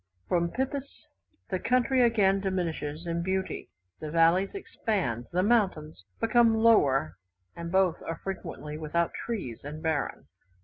From Pipis the country again diminishes in beauty: the valleys expand, the mountains become lower, and both are frequently without trees, and barren.